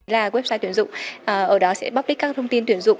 là website tuyển dụng ở đó sẽ bóc đích các thông tin tuyển dụng